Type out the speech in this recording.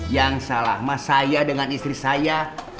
yang salah mas saya dengan istri saya